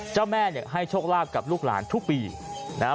เจ้าแม่เนี่ยให้โชคลาภกับลูกหลานทุกปีนะฮะ